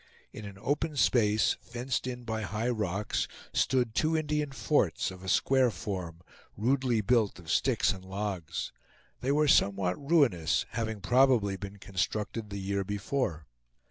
In an open space, fenced in by high rocks, stood two Indian forts, of a square form, rudely built of sticks and logs. They were somewhat ruinous, having probably been constructed the year before.